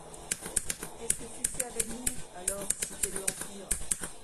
Qu'est-ce que tu fais avec nous, alors si t'es de l'Empire ?